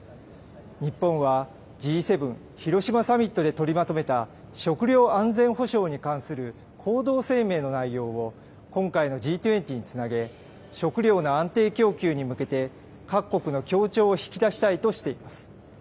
日本は、Ｇ７広島サミットで取りまとめた食料安全保障に関する行動声明の内容を今回のＧ２０につなげ、食料の安定供給に向けて、各国の協調を引き出したいとしています。